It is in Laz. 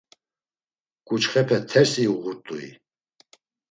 Ǩuçxepe tersi uğurt̆ui?